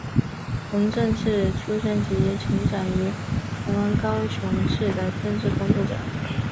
洪正是出生及成长于台湾高雄市的政治工作者。